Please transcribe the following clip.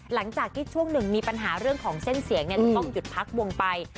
หลังจากที่ช่วงหนึ่งมีปัญหาเรื่องของเส้นเสียงจะต้องหยุดพักวงไป